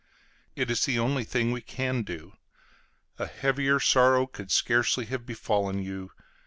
It is the only thing we can do. A heavier sorrow could scarcely have befallen you.